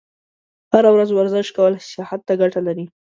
هره ورځ ورزش کول صحت ته ګټه لري.